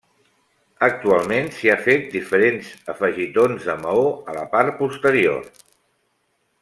Actualment s'hi ha fet diferents afegitons de maó a la part posterior.